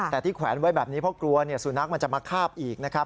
แต่ที่แขวนไว้แบบนี้เพราะกลัวสุนัขมันจะมาคาบอีกนะครับ